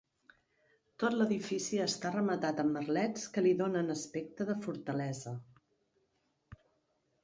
Tot l'edifici està rematat amb merlets que li donen aspecte de fortalesa.